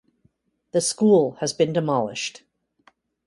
The school has been demolished.